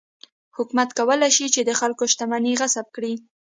حکومت کولای شي چې د خلکو شتمنۍ غصب کړي.